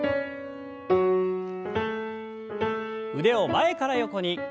腕を前から横に。